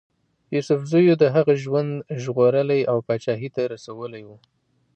یوسفزیو د هغه ژوند ژغورلی او پاچهي ته رسولی وو.